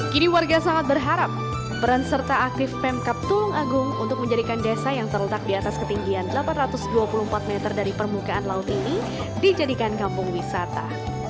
kini warga sangat berharap peran serta aktif pemkap tulung agung untuk menjadikan desa yang terletak di atas ketinggian delapan ratus dua puluh empat meter dari permukaan laut ini dijadikan kampung wisata